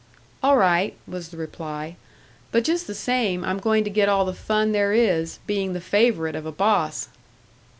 "All right," was the reply. "But just the same, I'm going to get all the fun there is, being the favourite of a boss!"